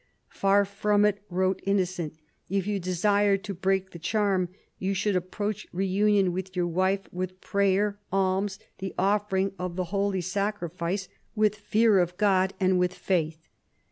" Far from it :" wrote Innocent, " if you desire to break the charm you should approach reunion with your wife with prayer, alms, the offering of the Holy Sacrifice, 176 PHILIP AUGUSTUS chap. with fear of God and with faith."